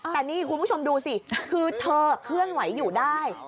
แต่นี่คุณผู้ชมดูสิคือเธอเคลื่อนไหวอยู่ได้